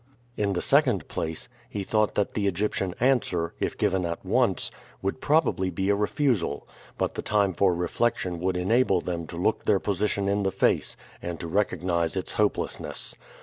In the second place, he thought that the Egyptian answer, if given at once, would probably be a refusal; but the time for reflection would enable them to look their position in the face and to recognize its hopelessness.